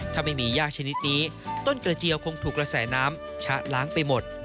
ถ้าไม่มีย่าชนิดนี้ต้นกระเจียวคงถูกกระแสน้ำชะล้างไปหมด